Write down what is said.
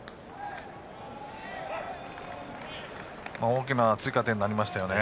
大きな追加点になりましたね。